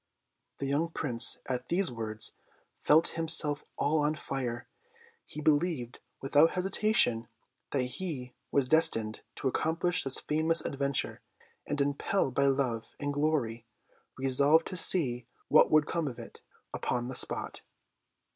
The young Prince, at these words, felt himself all on fire. He believed, without hesitation, that he was destined to accomplish this famous adventure; and, impelled by love and glory, resolved to see what would come of it, upon the spot.